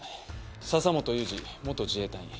笹本祐二元自衛隊員。